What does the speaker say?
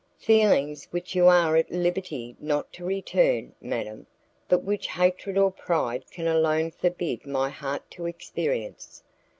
"Feelings which you are at liberty not to return, madam, but which hatred or pride can alone forbid my heart to experience.